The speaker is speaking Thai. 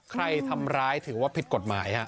ใครทำร้ายถือว่าผิดกฎหมายฮะ